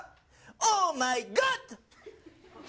オーマイゴット。